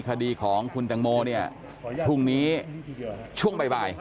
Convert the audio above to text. คดีของคุณตังโมเนี่ยพรุ่งนี้ช่วงบ่าย